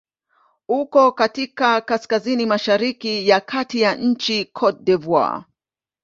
Uko katika kaskazini-mashariki ya kati ya nchi Cote d'Ivoire.